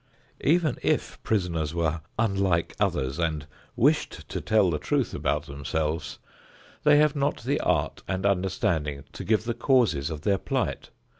Even if prisoners were unlike others and wished to tell the truth about themselves, they have not the art and understanding to give the causes of their plight.